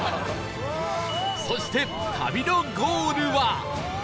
そして旅のゴールは